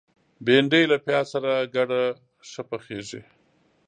بېنډۍ له پیاز سره ګډه ښه پخیږي